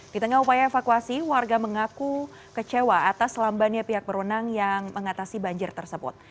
di tengah upaya evakuasi warga mengaku kecewa atas lambannya pihak berwenang yang mengatasi banjir tersebut